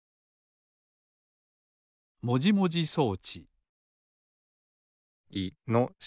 もじもじそうちいのし。